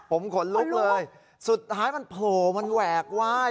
ผมขนลุกเลยสุดท้ายมันโผล่มันแหวกไหว้